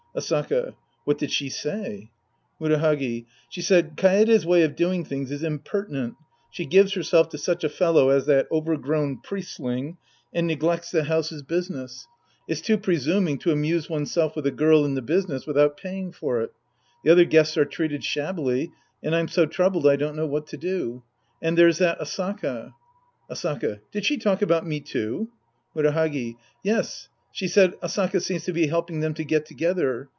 Asaka. What did she say ? Murahagi. She said, " Kaede's way of doing things is impertinent. She gives herself to such a fellow as that overgrown priestling and neglects the house's 158 The Priest and His Disciples Act IV business. It's too presuming to amuse oneself with a girl in the business without paying for it. The other guests are treated shabbily and I'm so troubled I don't know what to do. And there's that Asaka." Asaka. Did she talk about me, too ? Murahagi. Yes, she said, " Asaka seems to be helping them to get together.